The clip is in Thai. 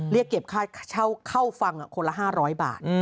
เรียกเก็บค่าเข้าฟังคนละ๕๐๐บาท